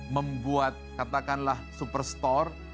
membuat katakanlah superstore